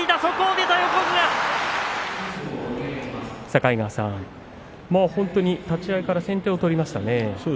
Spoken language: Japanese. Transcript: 境川さん、本当に立ち合いから先手を取りましたね。